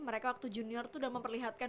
mereka waktu junior itu udah memperlihatkan